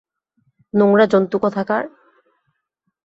নোংরা জন্তু কোথাকার!